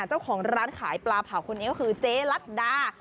เจ้าของร้านขายปลาเผาคนนี้ก็คือเจ๊รัฐดา